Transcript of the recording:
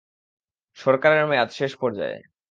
সরকারের মেয়াদ শেষ পর্যায়ে।